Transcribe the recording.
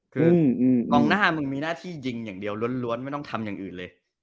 คือกองหน้ามึงมีหน้าที่ยิงอย่างเดียวล้วนไม่ต้องทำอย่างอื่นเลย